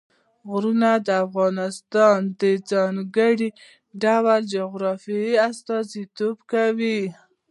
غرونه د افغانستان د ځانګړي ډول جغرافیه استازیتوب کوي.